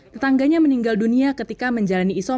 tetangganya meninggal dunia ketika menjalani isom